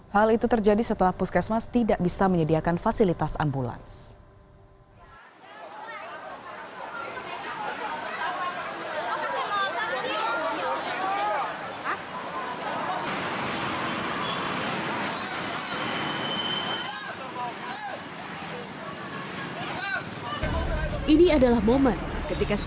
hal itu terjadi setelah puskesmas tidak bisa menyediakan fasilitas ambulans